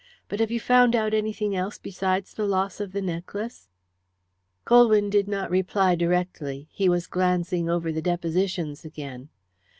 But have you found out anything else besides the loss of the necklace?" Colwyn did not directly reply. He was glancing over the depositions again.